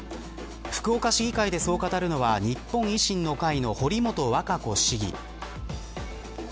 福岡市議会でそう語るのは日本維新の会の堀本和歌子市議。